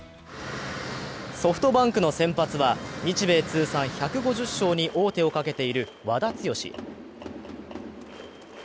ソフトバンクの先発は、日米通算１５０勝に王手をかけている和田毅。